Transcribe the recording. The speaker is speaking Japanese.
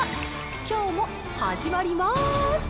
きょうも始まります。